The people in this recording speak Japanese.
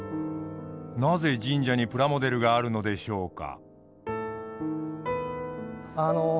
なぜ神社にプラモデルがあるのでしょうか。